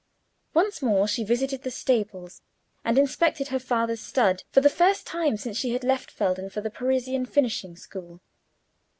Once more she visited the stables and inspected her father's stud, for the first time since she had left Felden for the Parisian finishing school.